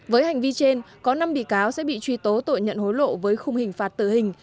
với hành vi trên có năm bị cáo sẽ bị truy tố tội nhận hối lộ với khung hình phạt tử hình